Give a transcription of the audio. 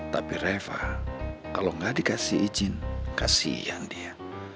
tapi reva kalau tidak dikasih izin kasihan dia